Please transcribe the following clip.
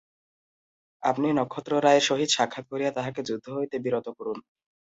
আপনি নক্ষত্ররায়ের সহিত সাক্ষাৎ করিয়া তাঁহাকে যুদ্ধ হইতে বিরত করুন।